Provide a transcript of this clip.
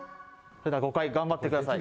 ５回頑張ってください。